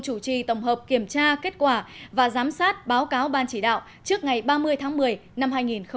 chủ trì tổng hợp kiểm tra kết quả và giám sát báo cáo ban chỉ đạo trước ngày ba mươi tháng một mươi năm hai nghìn một mươi chín